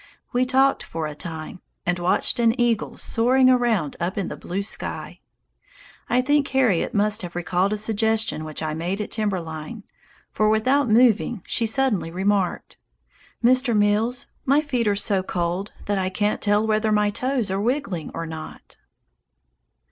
We talked for a time and watched an eagle soaring around up in the blue sky. I think Harriet must have recalled a suggestion which I made at timber line, for without moving she suddenly remarked, "Mr. Mills, my feet are so cold that I can't tell whether my toes are wiggling or not."